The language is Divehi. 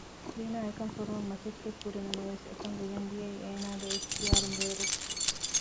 ޒީނާ އެކަން ފޮރުވަން މަސައްކަތް ކުރި ނަމަވެސް އެކަންވެގެން ދިޔައީ އޭނަގެ އިޙްތިޔާރުން ބޭރުން